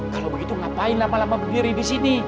kalau begitu ngapain lama lama berdiri di sini